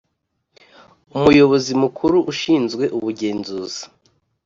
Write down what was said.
Umuyobozi mukuru ushinzwe ubugenzuzi